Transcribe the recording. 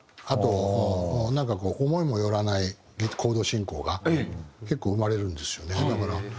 あとなんかこう思いもよらないコード進行が結構生まれるんですよねだから。